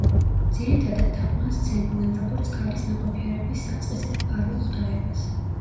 ძირითადად თაყვანს სცემდნენ, როგორც ქალის ნაყოფიერების საწყისის მფარველ ღვთაებას.